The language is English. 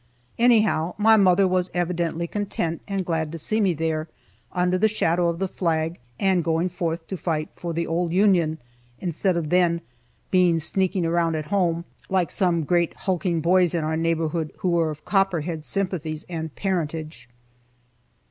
Anyhow, my mother was evidently content and glad to see me there, under the shadow of the flag, and going forth to fight for the old Union, instead of then being sneaking around at home, like some great hulking boys in our neighborhood who were of Copperhead sympathies and parentage.